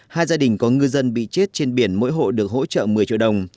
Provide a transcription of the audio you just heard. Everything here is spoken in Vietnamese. hai gia đình có ngư dân bị chết trên biển mỗi hộ được hỗ trợ một mươi triệu đồng